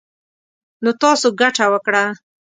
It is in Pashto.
نـو تـاسو ګـټـه وكړه.